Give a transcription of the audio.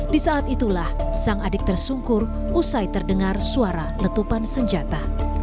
di saat itulah sang adik tersungkur usai terdengar suara letupan senjata